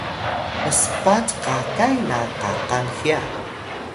mspat kakay na kakang hya